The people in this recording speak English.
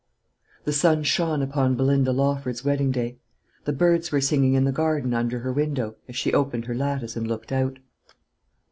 The sun shone upon Belinda Lawford's wedding day. The birds were singing in the garden under her window as she opened her lattice and looked out.